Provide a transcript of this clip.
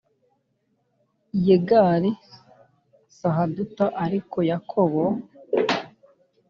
Yegari Sahaduta ariko Yakobo